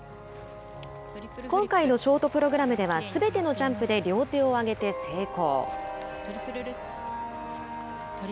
今回のショートプログラムではすべてのジャンプで両手を上げて成功。